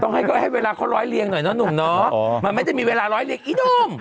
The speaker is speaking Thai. ให้เวลาเขาร้อยเรียงหน่อยเนอะหนุ่มเนาะมันไม่ได้มีเวลาร้อยเรียงอีหนุ่ม